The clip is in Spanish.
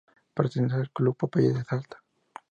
Pertenece al club Popeye de Salta.